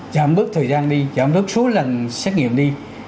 giảm bớt thời gian đi giảm gấp số lần xét nghiệm đi